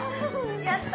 やった！